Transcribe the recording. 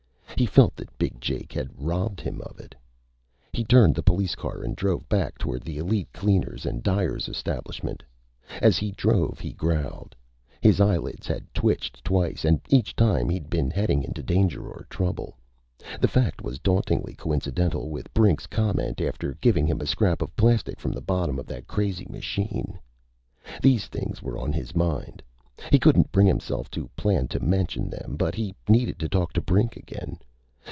He felt that Big Jake had robbed him of it. He turned the police car and drove back toward the Elite Cleaners and Dyers establishment. As he drove, he growled. His eyelid had twitched twice, and each time he'd been heading into danger or trouble. The fact was dauntingly coincidental with Brink's comment after giving him a scrap of plastic from the bottom of that crazy machine. These things were on his mind. He couldn't bring himself to plan to mention them, but he needed to talk to Brink again.